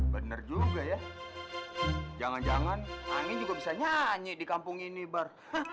bener juga ya jangan jangan angin juga bisa nyanyi di kampung ini bar